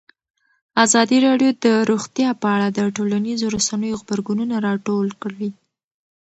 ازادي راډیو د روغتیا په اړه د ټولنیزو رسنیو غبرګونونه راټول کړي.